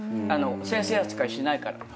先生扱いしないから。